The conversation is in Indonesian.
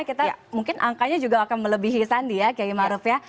kita mungkin angkanya juga akan melebihi sandi ya kiai maruf ya